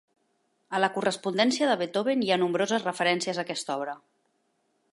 A la correspondència de Beethoven hi ha nombroses referències a aquesta obra.